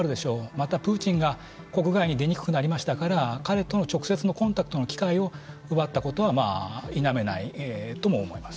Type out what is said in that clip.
またプーチンが国外に出にくくなりましたから彼との直接のコンタクトの機会を奪ったことは否めないとも思います。